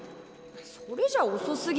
それじゃ遅すぎるよ。